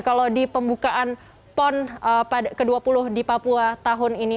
kalau di pembukaan pon ke dua puluh di papua tahun ini